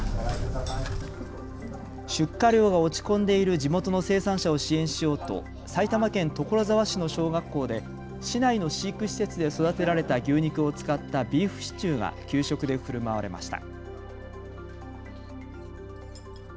出荷量が落ち込んでいる地元の生産者を支援しようと埼玉県所沢市の小学校で市内の飼育施設で育てられた牛肉を使ったビーフシチューが給食でふるまわれました。